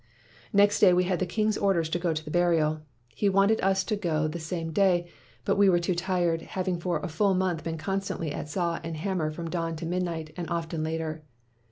"Next day we had the king's orders to go to the burial. He wanted us to go the same day, but we were too tired, having for a full month been constantly at saw and hammer from dawn to midnight, and often later.